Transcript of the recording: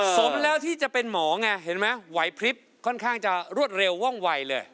สมแล้วที่จะเป็นหมอไงเห็นไหมไหวพลิบค่อนข้างจะรวดเร็วว่องวัยเลย